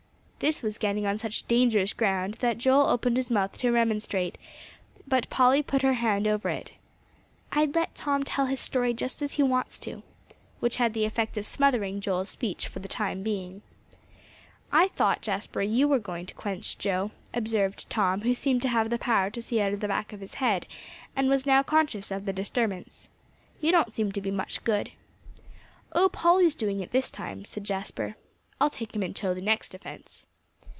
This was getting on such dangerous ground, that Joel opened his mouth to remonstrate, but Polly put her hand over it. "I'd let Tom tell his story just as he wants to," which had the effect of smothering Joel's speech for the time being. "I thought, Jasper, you were going to quench Joe," observed Tom, who seemed to have the power to see out of the back of his head, and now was conscious of the disturbance. "You don't seem to be much good." "Oh, Polly's doing it this time," said Jasper; "I'll take him in tow on the next offence."